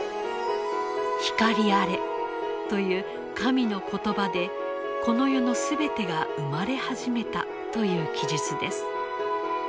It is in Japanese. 「光あれ」という神の言葉でこの世の全てが生まれ始めたという記述です。